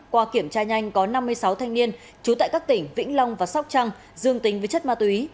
qua kiểm tra nhanh có năm mươi sáu thanh niên trú tại các tỉnh vĩnh long và sóc trăng dương tính với chất ma túy